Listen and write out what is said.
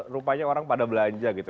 rupanya orang pada belanja gitu